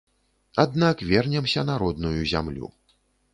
Аднак вернемся на родную зямлю.